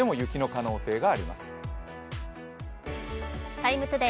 「ＴＩＭＥ，ＴＯＤＡＹ」